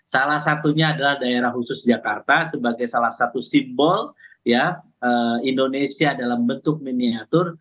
salah satunya adalah daerah khusus jakarta sebagai salah satu simbol indonesia dalam bentuk miniatur